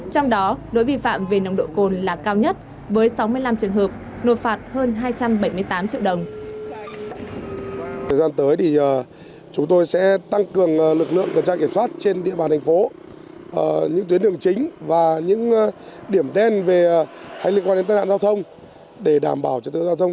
trong đó nỗi vi phạm về nồng độ cồn là cao nhất với sáu mươi năm trường hợp nộp phạt hơn hai trăm bảy mươi tám triệu đồng